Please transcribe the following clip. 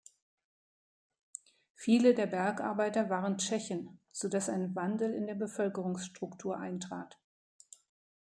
Viele der Bergarbeiter waren Tschechen, sodass ein Wandel in der Bevölkerungsstruktur eintrat.